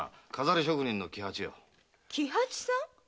喜八さん？